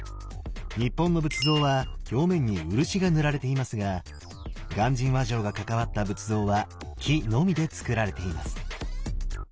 日本の仏像は表面に漆が塗られていますが鑑真和上が関わった仏像は木のみでつくられています。